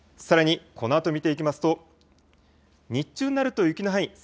さらに、このあと見ていきますと日中になると雪の範囲